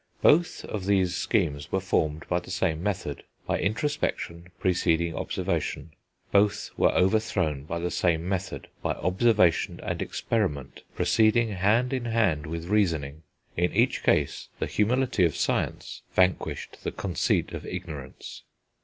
Both of these schemes were formed by the same method, by introspection preceding observation; both were overthrown by the same method, by observation and experiment proceeding hand in hand with reasoning. In each case, the humility of science vanquished the conceit of ignorance.